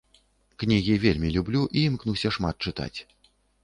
Кнігі вельмі люблю і імкнуся шмат чытаць.